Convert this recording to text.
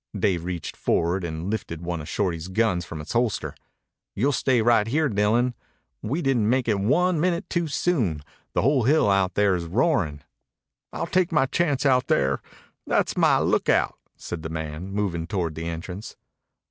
Dave reached forward and lifted one of Shorty's guns from its holster. "You'll stay right here, Dillon. We didn't make it one minute too soon. The whole hill out there's roaring." "I'll take my chance out there. That's my lookout," said the man, moving toward the entrance.